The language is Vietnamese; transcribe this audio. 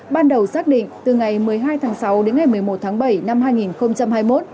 ban đầu xác định từ ngày một mươi hai tháng sáu đến ngày một mươi một tháng bảy năm hai nghìn hai mươi một